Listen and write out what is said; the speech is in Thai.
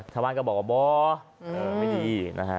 ถามก็บอกว่าบ่อไม่ดี